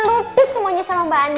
lutus semuanya sama mbak andin